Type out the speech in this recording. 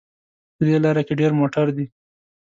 په دې لاره کې ډېر موټر دي